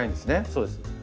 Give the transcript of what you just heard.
そうです。